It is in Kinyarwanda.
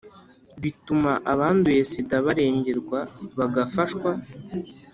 butuma abanduye sida barengerwa bagafashwa.